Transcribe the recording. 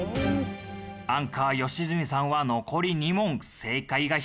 アンカー良純さんは残り２問正解が必須じゃ！